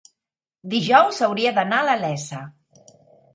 Dijous hauria d'anar a la Iessa.